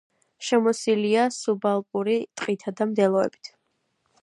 შემოსილია სუბალპური ტყითა და მდელოებით.